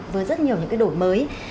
với rất nhiều những cái đổi mới